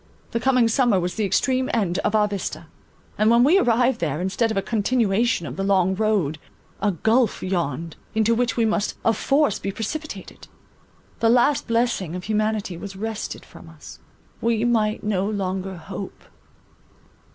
The coming summer was the extreme end of our vista; and, when we arrived there, instead of a continuation of the long road, a gulph yawned, into which we must of force be precipitated. The last blessing of humanity was wrested from us; we might no longer hope.